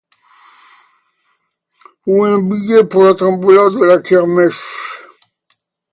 Ou un billet pour la tombola de la kermesse.